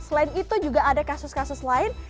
selain itu juga ada kasus kasus lain